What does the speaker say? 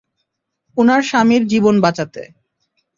উনার স্বামীর জীবন বাঁচাতে।